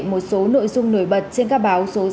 một số nội dung nổi bật trên các báo